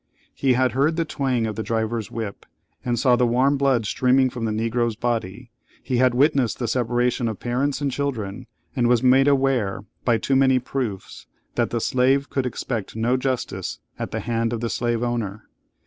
He had heard the twang of the driver's whip, and saw the warm blood streaming from the Negro's body; he had witnessed the separation of parents and children, and was made aware, by too many proofs, that the slave could expect no justice at the hand of the slave owner.